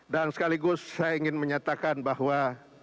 dan sekaligus saya ingin menyatakan bahwa